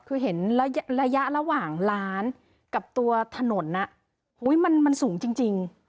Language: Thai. คือเห็นระยะระหว่างร้านกับตัวถนนมันสูงจริง